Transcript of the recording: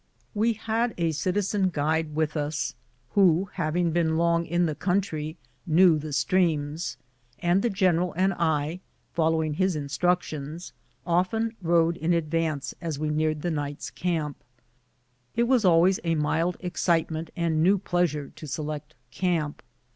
We had a citizen guide with us, who, having been long in the country, knew the streams, and the general and I, following his instructions, often rode in advance as we neared the night's camp. It was always a mild excitement and new pleasure to select camp.